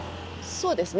そうですね。